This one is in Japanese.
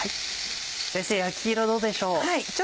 先生焼き色どうでしょう？